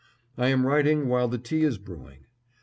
I am writing while the tea is brewing.